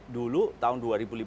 dulu tahun dua ribu lima belas